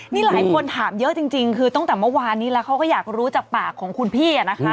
นี่หลายคนถามเยอะจริงคือตั้งแต่เมื่อวานนี้แล้วเขาก็อยากรู้จากปากของคุณพี่นะคะ